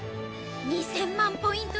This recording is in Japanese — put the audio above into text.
２０００万ポイント